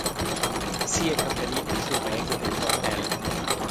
Sia capellina schurmegia denton el.